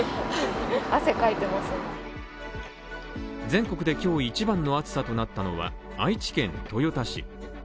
全国で今日一番の暑さとなったのは愛知県豊田市。